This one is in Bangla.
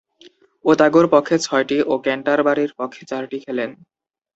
ওতাগোর পক্ষে ছয়টি ও ক্যান্টারবারির পক্ষে চারটি খেলেন।